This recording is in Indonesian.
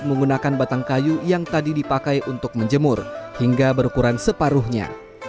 menggunakan batang kayu yang tadi dipakai untuk menjemur hingga berukuran separuhnya